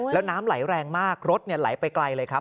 แล้วน้ำไหลแรงมากรถไหลไปไกลเลยครับ